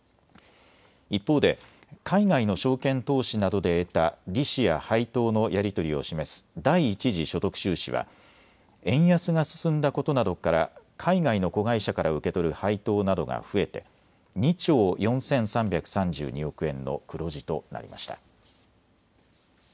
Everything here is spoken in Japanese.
一方で海外の証券投資などで得た利子や配当のやり取りを示す第一次所得収支は円安が進んだことなどから海外の子会社から受け取る配当などが増えて２兆４３３２億円の黒字となりました。